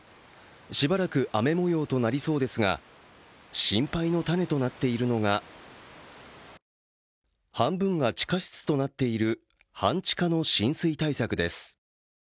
しばらく雨もようとなりそうですが、心配の種となっているのが半分は地下室となっている半地下の浸水対策です。